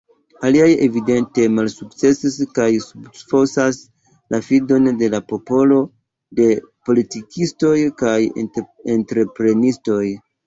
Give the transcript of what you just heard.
Aliaj evidente malsukcesis kaj subfosas la fidon de la popolo je politikistoj kaj entreprenistoj.